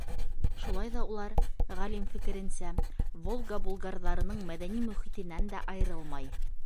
Шулай ҙа улар, ғалим фекеренсә, Волга булгарҙарының мәҙәни мөхитенән дә айырылмай.